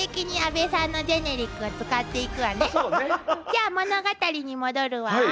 じゃあ物語に戻るわ。